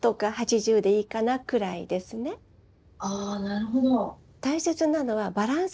あなるほど。